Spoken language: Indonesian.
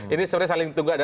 ini sebenarnya saling tunggu